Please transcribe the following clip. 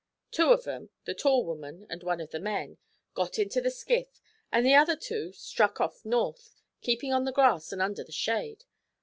Two of 'em, the tall woman an' one of the men, got into the skiff, an' the other two struck off north, keepin' on the grass an' under the shade.